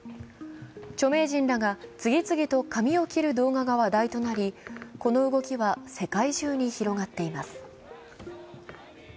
著名人らが次々と髪を切る動画が話題となり、この動きは世界中に広がっています。